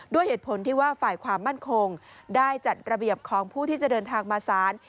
ด้วยเหตุผลที่ว่าฝ่ายความมั่นคงได้จัดระเบียบของผู้ที่จะเดินทางมาศาล